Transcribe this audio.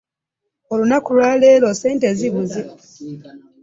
Olunaku lwa leero ssente zibuze.